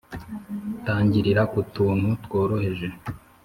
tangirira ku tuntu tworoheje